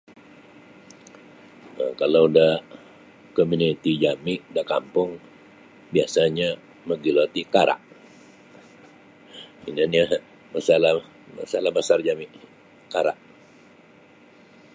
um Kalau da komuniti jami' da kampung biasanyo mogilo ti kara' um ino nio masalah basar jami' kara'.